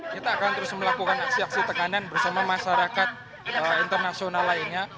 kita akan terus melakukan aksi aksi tekanan bersama masyarakat internasional lainnya